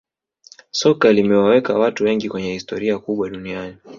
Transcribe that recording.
soka limewaweka watu wengi kwenye historia kubwa duniani